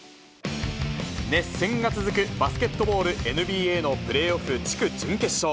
熱戦が続くバスケットボールＮＢＡのプレーオフ地区準決勝。